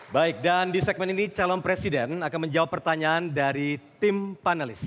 baik dan di segmen ini calon presiden akan menjawab pertanyaan dari tim panelis